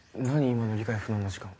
今の理解不能な時間。